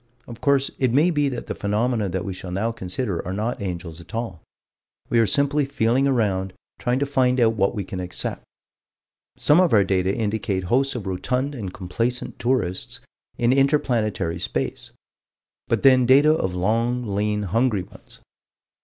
Of course it may be that the phenomena that we shall now consider are not angels at all. We are simply feeling around, trying to find out what we can accept. Some of our data indicate hosts of rotund and complacent tourists in inter planetary space but then data of long, lean, hungry ones.